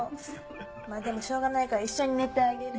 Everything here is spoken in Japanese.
まあでもしょうがないから一緒に寝てあげる。